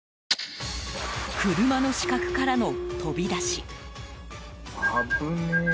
車の死角からの飛び出し。